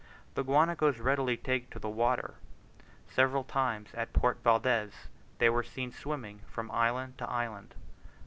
The guanacos readily take to the water: several times at Port Valdes they were seen swimming from island to island.